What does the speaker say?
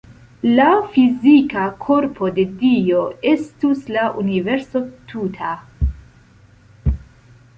La fizika korpo de Dio estus la universo tuta.